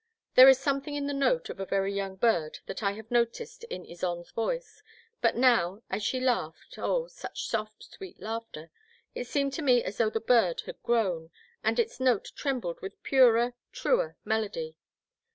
*' There is something in the note of a very young bird that I have noticed in Ysonde's voice, but now, as she laughed — oh, such soft, sweet laugh ter, — ^it seemed to me as though the bird had grown, and its note trembled with purer, truer melody.